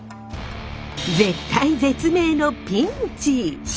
絶体絶命のピンチ！